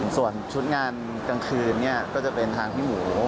ส่วนชุดงานกลางคืนเนี่ยก็จะเป็นทางพี่หมู